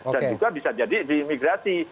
dan juga bisa jadi diimigrasi